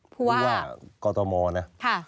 ผู้ว่ากอทมนะ